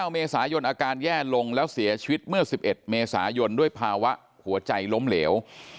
เมษายนอาการแย่ลงแล้วเสียชีวิตเมื่อ๑๑เมษายนด้วยภาวะหัวใจล้มเหลว